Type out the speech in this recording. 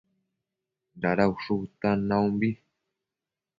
Dada ushu bëtan naumbi